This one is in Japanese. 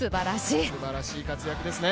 すばらしい活躍ですね。